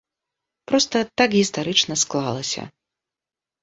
Проста так гістарычна склалася.